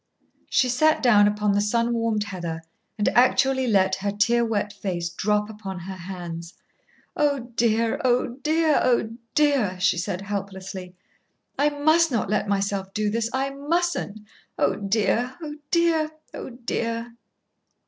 She sat down upon the sun warmed heather and actually let her tear wet face drop upon her hands. "Oh, dear! Oh, dear! Oh, dear!" she said helplessly. "I must not let myself do this. I mustn't, Oh, dear! Oh, dear! Oh, dear!"